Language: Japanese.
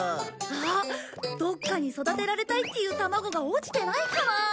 ああどっかに育てられたいっていう卵が落ちてないかなあ。